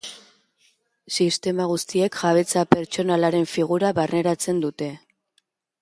Sistema guztiek jabetza pertsonalaren figura barneratzen dute.